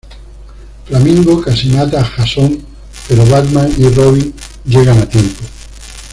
Flamingo casi mata a Jason, pero Batman y Robin llegan a tiempo.